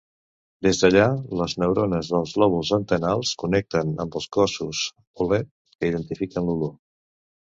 Des d'allà, les neurones dels lòbuls antenals connecten amb els cossos bolet que identifiquen l'olor.